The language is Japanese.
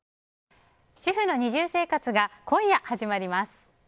主婦の二重生活が今夜始まります。